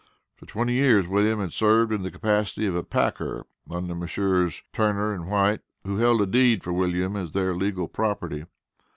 For twenty years, William had served in the capacity of a "packer" under Messrs. Turner and White, who held a deed for William as their legal property.